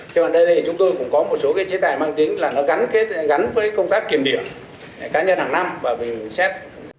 chứ ở đây thì chúng tôi cũng có một số chế tài mang tính là nó gắn với công tác kiểm địa cá nhân hàng năm và vì xét